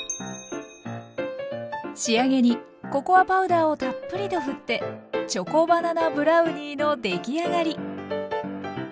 仕上げにココアパウダーをたっぷりと振ってチョコバナナブラウニーのできあがり！